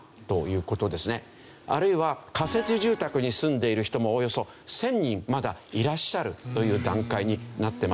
あるいは仮設住宅に住んでいる人もおよそ１０００人まだいらっしゃるという段階になってます。